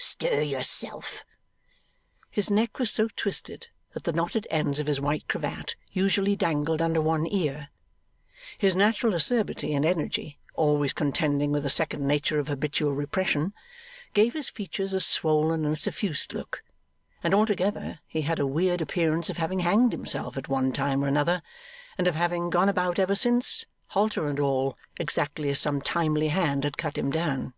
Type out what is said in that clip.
Stir yourself.' His neck was so twisted that the knotted ends of his white cravat usually dangled under one ear; his natural acerbity and energy, always contending with a second nature of habitual repression, gave his features a swollen and suffused look; and altogether, he had a weird appearance of having hanged himself at one time or other, and of having gone about ever since, halter and all, exactly as some timely hand had cut him down.